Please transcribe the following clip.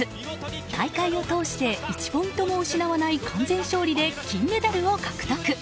大会を通して１ポイントも失わない完全勝利で金メダルを獲得。